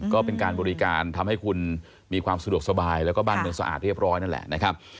ก็เป็นการบริการทำให้คุณมีความสะดวกสบายแล้วก็บ้านเมืองสะอาดเรียบร้อยนั่นแหละนะครับ